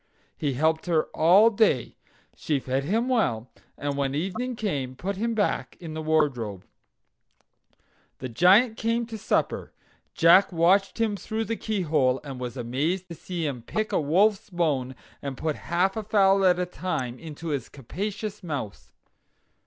He helped her all day. She fed him well, and when evening came put him back in the wardrobe. The Giant came in to supper. Jack watched him through the keyhole, and was amazed to see him pick a wolf's bone, and put half a fowl at a time into his capacious mouth.